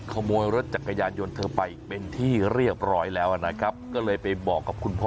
ขโมยรถจักรยานยนต์เธอไปเป็นที่เรียบร้อยแล้วนะครับก็เลยไปบอกกับคุณพ่อ